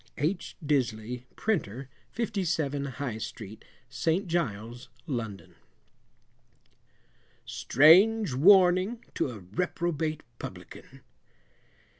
H. Disley, Printer, 57, High Street, St. Giles, London. STRANGE WARNING TO A REPROBATE PUBLICAN.